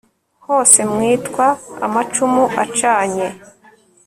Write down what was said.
hose mwitwa amacumu acanye